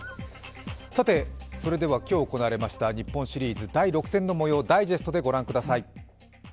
さて、それでは今日行われた日本シリーズ第６戦の模様、ダイジェストで御覧ください。